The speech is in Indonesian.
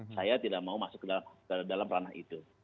saya tidak mau masuk ke dalam ranah itu